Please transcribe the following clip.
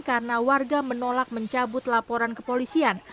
karena warga menolak mencabut laporan kepolisian